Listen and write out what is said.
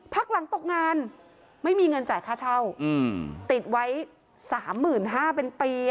พักหลังตกงานไม่มีเงินจ่ายค่าเช่าติดไว้๓๕๐๐เป็นปี